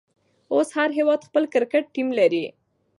اوس هر هيواد خپل کرکټ ټيم لري.